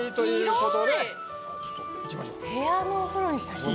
部屋のお風呂にしたら広いな。